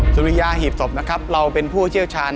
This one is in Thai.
สุริยาหีบศพนะครับเราเป็นผู้เชี่ยวชาญ